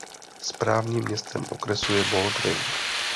Správním městem okresu je Baldwin.